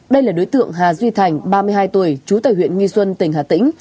đây là đối tượng hà duy thành ba mươi hai tuổi trú tại huyện nghi xuân tỉnh hà tĩnh